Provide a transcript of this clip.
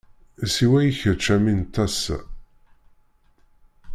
Siwa i kečč a mmi n tasa.